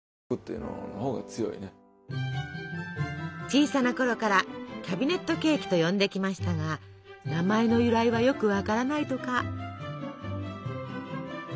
小さなころから「キャビネットケーキ」と呼んできましたが名前の由来はよくわからないとか。